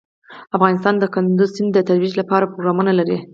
افغانستان د کندز سیند د ترویج لپاره پروګرامونه لري.